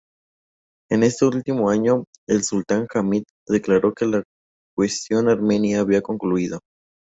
En ese último año, el Sultán Hamid declaró que la cuestión armenia había concluido.